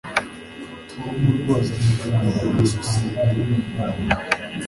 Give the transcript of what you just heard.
tom rwose afite kuyobora iyi sosiyete